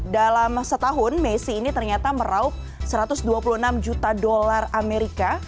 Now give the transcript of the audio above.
dalam setahun messi ini ternyata meraup satu ratus dua puluh enam juta dolar amerika